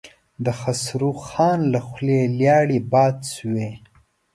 د خسرو خان له خولې لاړې باد شوې.